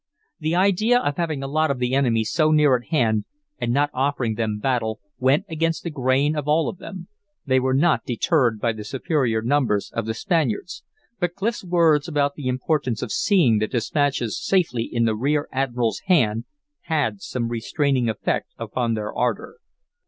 The idea of having a lot of the enemy so near at hand and not offering them battle, went against the grain of all of them. They were not deterred by the superior numbers of the Spaniards, but Clif's words about the importance of seeing the dispatches safely in the rear admiral's hand had some restraining effect upon their ardor.